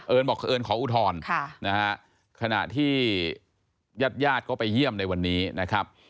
บอกเอิญขออุทธรณ์นะฮะขณะที่ญาติญาติก็ไปเยี่ยมในวันนี้นะครับ